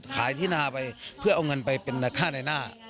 ขายที่นาไปเพื่อเอาเงินไปเป็นค่าในหน้า